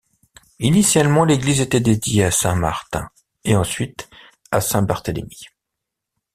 Initialement l'église était dédiée à Saint Martin et ensuite à Saint Barthélemy.